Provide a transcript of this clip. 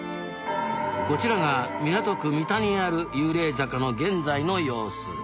こちらが港区三田にある幽霊坂の現在の様子。